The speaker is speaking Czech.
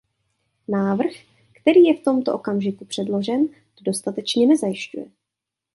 Návrh, který je v tomto okamžiku předložen, to dostatečně nezajišťuje.